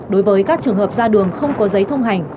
đối với các trường hợp ra đường không có giấy thông hành